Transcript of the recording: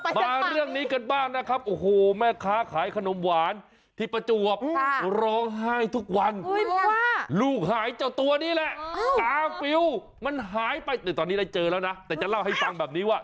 ไปเถอะไปเถอะนี้